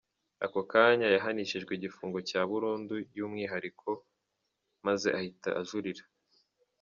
Ako kanya yahanishijwe igifungo cya burundu y’umwihariko maze ahita ajurira.